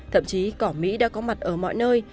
thậm chí cỏ mỹ đã có mặt ở mọi nơi